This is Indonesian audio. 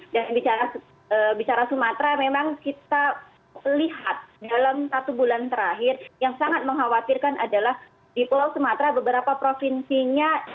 dan bicara sumatra memang kita lihat dalam satu bulan terakhir yang sangat mengkhawatirkan adalah di pulau sumatra beberapa provinsinya